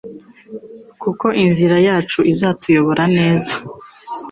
kuko inzira yacu izatuyobora neza